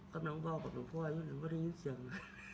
ก็น้องเบ้ากับหนูพ่อไม่ได้ยินเสียง